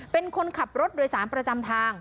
เป็นคนขับรถโดยสารประจำทาง